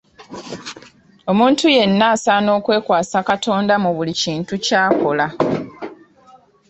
Omuntu yenna asaana okwekwasa Katonda mu buli kintu ky'akola.